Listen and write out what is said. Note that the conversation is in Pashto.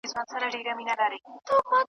د خپلو تبلیغاتو لپاره کاروي .